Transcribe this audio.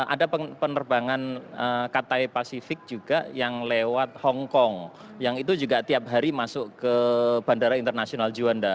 ada penerbangan katai pasifik juga yang lewat hongkong yang itu juga tiap hari masuk ke bandara internasional juanda